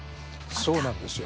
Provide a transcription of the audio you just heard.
そうなんですよ。